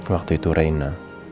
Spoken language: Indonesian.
waktu itu reina